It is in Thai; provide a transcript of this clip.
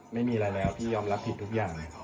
ไม่มีอะไรแล้วพี่ยอมรับผิดทุกอย่างเลย